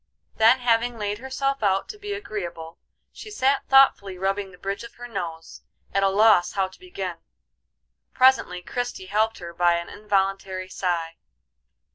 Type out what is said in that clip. Then having laid herself out to be agreeable, she sat thoughtfully rubbing the bridge of her nose, at a loss how to begin. Presently Christie helped her by an involuntary sigh.